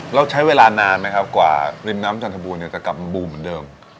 แล้วใช้เวลานานไหมครับกว่าริมน้ำจันทบูรณจะกลับมาบูมเหมือนเดิม